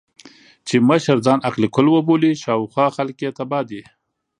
چې مشر ځان عقل کُل وبولي، شا او خوا خلګ يې تباه دي.